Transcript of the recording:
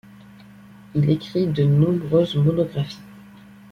Il écrit de nombreuses monographies.